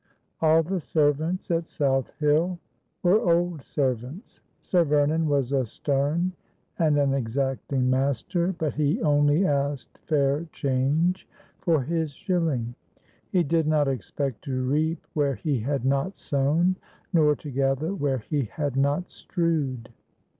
All the servants at South Hill were old servants. Sir Ver non was a stern and an exacting master, but he only asked fair change for his shilling. He did not expect to reap where he had not sown, nor to gather where he had not strewed.